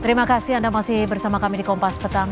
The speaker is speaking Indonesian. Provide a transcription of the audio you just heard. terima kasih anda masih bersama kami di kompas petang